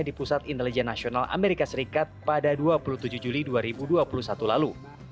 di pusat intelijen nasional amerika serikat pada dua puluh tujuh juli dua ribu dua puluh satu lalu